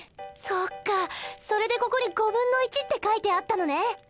そっかそれでここにって書いてあったのね。